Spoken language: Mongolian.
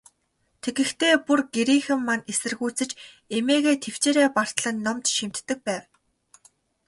Тэгэхдээ, бүр гэрийнхэн маань эсэргүүцэж, эмээгээ тэвчээрээ бартал нь номд шимтдэг байв.